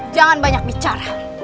jangan banyak bicara